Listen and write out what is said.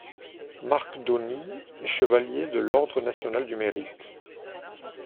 Marc Daunis est chevalier de l’Ordre national du Mérite.